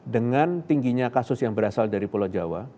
dengan tingginya kasus yang berasal dari pulau jawa